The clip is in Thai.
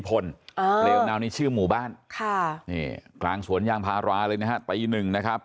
ค่ะนี่กลางสวนย่างพาร้าเลยนะฮะประยีนึงนะครับ